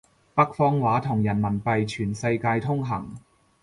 北方話同人民幣全世界通行